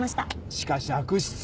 しかし悪質だね。